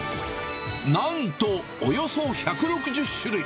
なんと、およそ１６０種類。